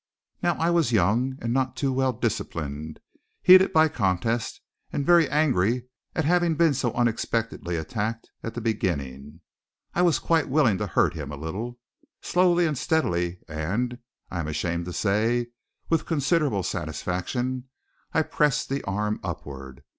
Now I was young, and none too well disciplined, heated by contest, and very angry at having been so unexpectedly attacked at the beginning. I was quite willing to hurt him a little. Slowly and steadily, and, I am ashamed to say, with considerable satisfaction, I pressed the arm upward.